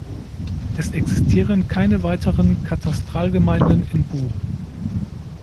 Es existieren keine weiteren Katastralgemeinden in Buch.